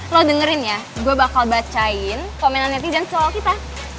lo dengerin ya gue bakal bacain komenan netizen soal kita